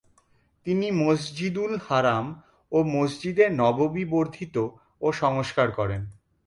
তিনি মসজিদুল হারাম ও মসজিদে নববী বর্ধিত ও সংস্কার করেন।